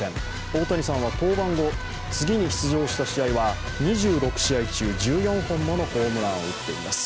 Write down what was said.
大谷さんは登板後、次に出場した試合は２６試合中、１４本ものホームランを打っています。